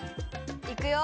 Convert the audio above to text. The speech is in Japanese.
いくよ！